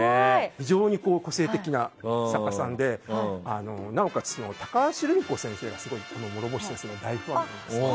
非常に個性的な作家さんでなおかつ、高橋留美子先生が諸星先生の大ファンなんです。